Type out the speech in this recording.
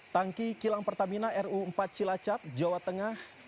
tangki kilang pertamina ru empat cilacap jawa tengah